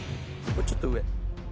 もうちょっと上。